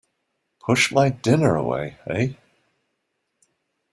Push my dinner away, eh?